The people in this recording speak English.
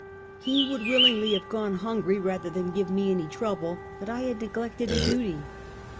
He would willing ly have gone hungry, rather than give any one trouble; but I had neglected a duty.